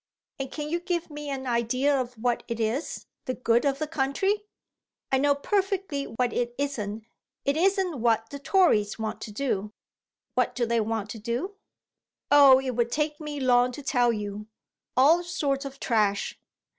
"And can you give me an idea of what it is the good of the country?" "I know perfectly what it isn't. It isn't what the Tories want to do." "What do they want to do?" "Oh it would take me long to tell you. All sorts of trash."